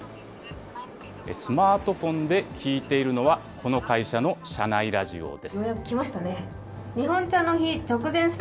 スマートフォンで聴いているのは、この会社の社内ラジオです。